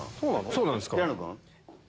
そうなんですか？